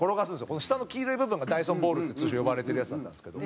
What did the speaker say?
この下の黄色い部分がダイソンボールって通称呼ばれてるやつだったんですけど。